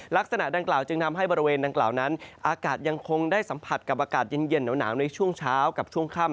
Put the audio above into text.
ลักษณะดังกล่าวจึงทำให้บริเวณดังกล่าวนั้นอากาศยังคงได้สัมผัสกับอากาศเย็นหนาวในช่วงเช้ากับช่วงค่ำ